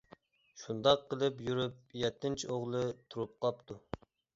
شۇنداق قىلىپ يۈرۈپ يەتتىنچى ئوغلى تۇرۇپ قاپتۇ.